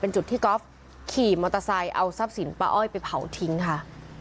เป็นจุดที่ก๊อฟขี่มอเตอร์ไซค์เอาทรัพย์สินป้าอ้อยไปเผาทิ้งค่ะ